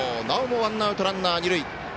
なおもワンアウトランナー、二塁。